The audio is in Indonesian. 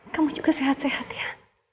kamu juga sehat sehat ya